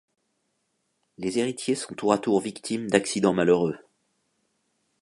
Les héritiers sont tour à tour victimes d'accidents malheureux.